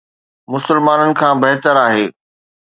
مسلمانن کان بهتر آهي